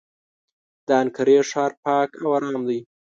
د انقرې ښار پاک او ارام دی.